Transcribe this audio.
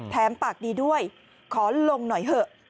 ปากดีด้วยขอลงหน่อยเถอะ